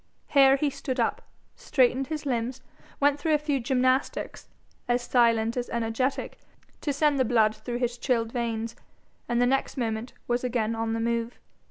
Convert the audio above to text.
Here he stood up, straightened his limbs, went through a few gymnastics, as silent as energetic, to send the blood through his chilled veins, and the next moment was again on the move.